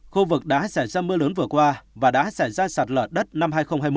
khu vực đã xảy ra mưa lớn vừa qua và đã xảy ra sạt lở đất năm hai nghìn hai mươi